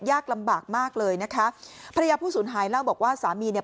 ยากลำบากมากเลยนะคะภรรยาผู้สูญหายเล่าบอกว่าสามีเนี่ย